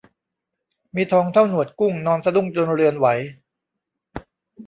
มีทองเท่าหนวดกุ้งนอนสะดุ้งจนเรือนไหว